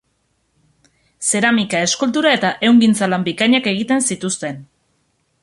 Zeramika-, eskultura- eta ehungintza-lan bikainak egiten zituzten.